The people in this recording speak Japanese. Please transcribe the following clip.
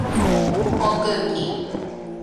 航空機